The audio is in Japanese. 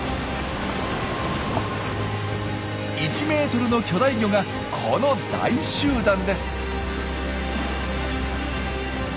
１ｍの巨大魚がこの大集団です。